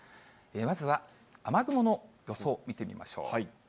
まずは雨雲の予想、見てみましょう。